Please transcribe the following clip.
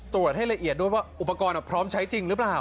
ตรวจให้ละเอียดด้วยว่าอุปกรณ์พร้อมใช้จริงหรือเปล่า